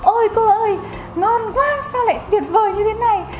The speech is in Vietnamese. ôi cô ơi ngon quá sao lại tuyệt vời như thế này